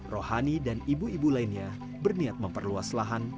rohani dan ibu ibu lainnya berniat memperluas lahan